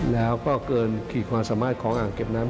แล้วก็เกินขีดความสามารถของอ่างเก็บน้ำ